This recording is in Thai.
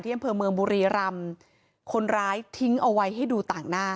อำเภอเมืองบุรีรำคนร้ายทิ้งเอาไว้ให้ดูต่างหน้า